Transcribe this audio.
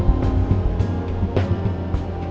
sampai ketemu di video selanjutnya